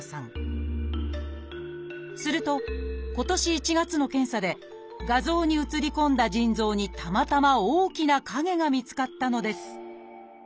すると今年１月の検査で画像に写り込んだ腎臓にたまたま大きな影が見つかったのです